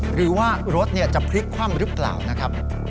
หรือว่ารถจะพลิกคว่ำหรือเปล่านะครับ